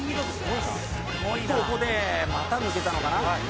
ここで股抜けたのかな？